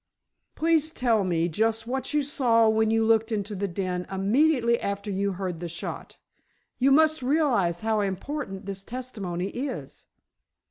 "Please tell me just what you saw when you looked into the den immediately after you heard the shot. You must realize how important this testimony is."